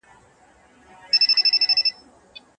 موږ نسو کولای له تقاضا پرته د بدلون خبره وکړو.